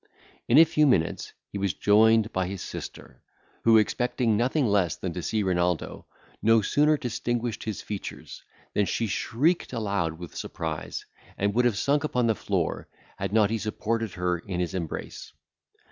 In a few minutes he was joined by his sister, who, expecting nothing less than to see Renaldo, no sooner distinguished his features, than she shrieked aloud with surprise, and would have sunk upon the floor, had not he supported her in his embrace.